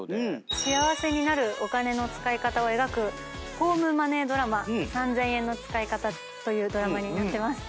幸せになるお金の使い方を描くホームマネードラマ『三千円の使いかた』というドラマになってます。